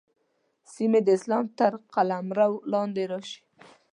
سیمې د اسلام تر قلمرو لاندې راشي.